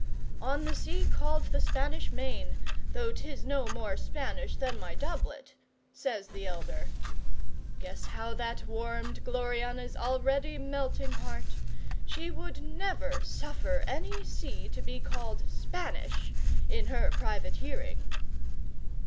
'"On the sea called the Spanish Main, though 'tis no more Spanish than my doublet," says the elder. Guess how that warmed Gloriana's already melting heart! She would never suffer any sea to be called Spanish in her private hearing.